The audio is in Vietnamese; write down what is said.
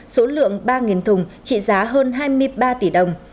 số lượng ba thùng trị giá hơn hai mươi ba tỷ đồng